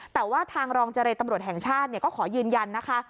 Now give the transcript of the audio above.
แต่ว่าทางรองเจรตำรวจแห่งชาติก็ขอยืนยันนะคะ